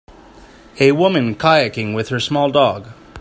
A woman kayaking with her small dog